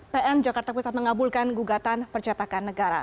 dan jakarta pusat mengabulkan gugatan percatakan negara